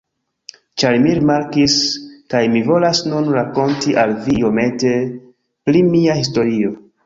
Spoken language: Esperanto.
Ĉar mi rimarkis, kaj mi volas nun rakonti al vi iomete pri mia historio.